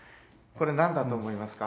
これ何だと思いますか？